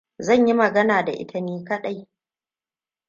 Zan yi magana da ita ni kaɗai.